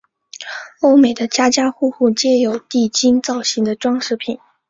欧美的家家户户皆有地精造型的装饰品。